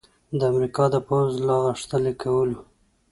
د امریکا د پوځ په لاغښتلي کولو